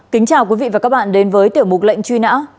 kính chào quý vị và các bạn đến với tiểu mục lệnh truy nã